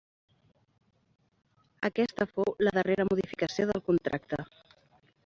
Aquesta fou la darrera modificació del contracte.